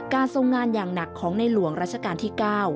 ทรงงานอย่างหนักของในหลวงราชการที่๙